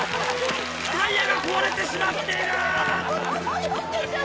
タイヤが壊れてしまっている！